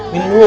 minum dulu ya